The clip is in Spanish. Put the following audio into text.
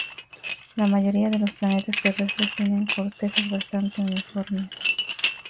La mayoría de los planetas terrestres tienen cortezas bastante uniformes.